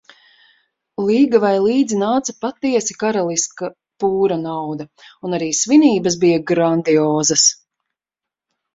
Līgavai līdzi nāca patiesi karaliska pūra nauda, un arī svinības bija grandiozas.